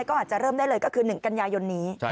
ก็อาจจะเริ่มได้เลยก็คือ๑กันยายนนี้